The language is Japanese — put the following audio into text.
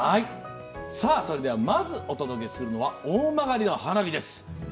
それではまずお届けするのは大曲の花火です。